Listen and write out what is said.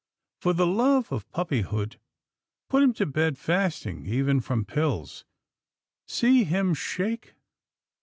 For the love of puppyhood, put him to bed fasting, even from pills — See him shake.